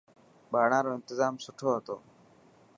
ٻاڙان رو انتظام سٺو هتو.